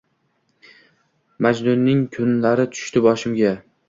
Majnunning kunlari tushdi boshimga.